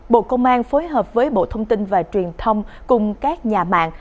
bộ công an phối hợp với bộ thông tin và truyền thông cùng các nhà mạng